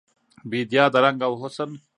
بیدیا د رنګ او حسن